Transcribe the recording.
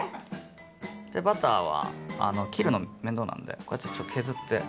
バターは切るの面倒なんでこうやってちょっと削って。